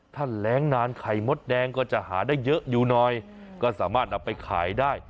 ถ้าแรงนานไข่มดแดงก็จะหาได้เยอะอยู่หน่อยก็สามารถเอาไปขายได้